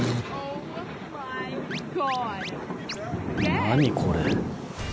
何これ。